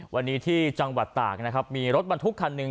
วันนี้ที่จังหวัดตากนะครับมีรถบรรทุกคันหนึ่ง